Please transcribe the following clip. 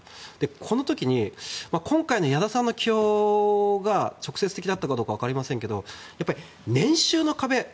この時に今回の矢田さんの起用が直接的だったかどうかは分かりませんけど、年収の壁